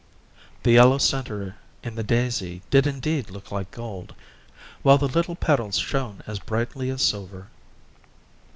The yellow centre in the daisy did indeed look like gold, while the little petals shone as brightly as silver.